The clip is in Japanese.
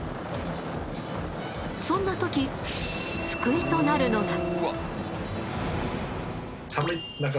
そんな時救いとなるのが。